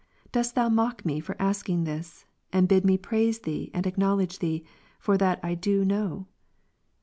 Dost Thou mock me for asking this, and bid me praise Thee and acknow ledge Thee, for that I do know